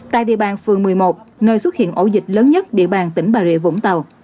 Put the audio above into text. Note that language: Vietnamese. tại địa bàn phường một mươi một nơi xuất hiện ổ dịch lớn nhất địa bàn tỉnh bà rịa vũng tàu